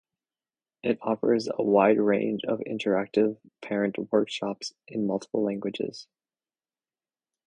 It offers a wide range of interactive parent workshops in multiple languages.